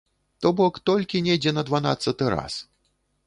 То бок толькі недзе на дванаццаты раз.